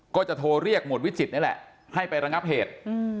ก็จะโทรเรียกหมวดวิจิตรนี่แหละให้ไประงับเหตุ